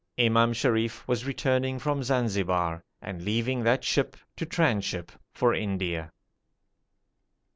Imam Sharif was returning from Zanzibar, and leaving that ship to tranship for India.